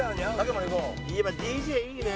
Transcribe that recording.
ＤＪいいね。